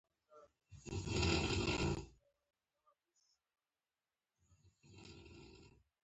بادرنګ د ناروغیو پر ضد مقاومت لوړوي.